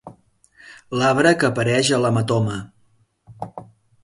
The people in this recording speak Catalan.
L'arbre que apareix a l'hematoma.